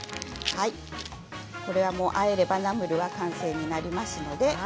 これはもう、あえればナムルは完成になりますので。